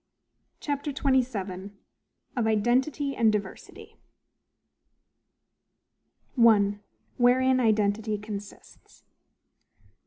CHAPTER XXVII. OF IDENTITY AND DIVERSITY. 1. Wherein Identity consists.